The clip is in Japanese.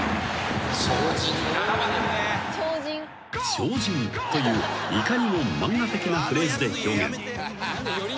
［「超人」といういかにも漫画的なフレーズで表現］